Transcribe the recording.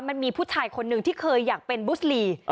มันมีผู้ชายคนหนึ่งที่เคยอยากเป็นบุสลี